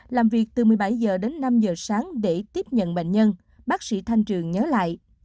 làm việc từ một mươi bảy h đến năm h sáng để tiếp nhận bệnh nhân bác sĩ thanh trường nhớ lại